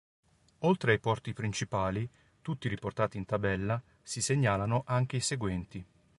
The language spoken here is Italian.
Oltre ai porti principali, tutti riportati in tabella, si segnalano anche i seguenti.